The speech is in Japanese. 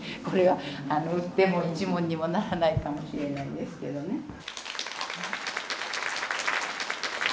これは売っても一文にもならないかもしれないですけどね。